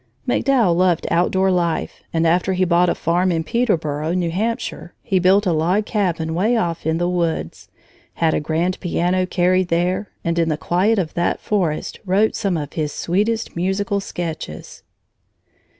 MacDowell loved outdoor life, and after he bought a farm at Peterboro, New Hampshire, he built a log cabin way off in the woods, had a grand piano carried there, and in the quiet of that forest wrote some of his sweetest musical sketches.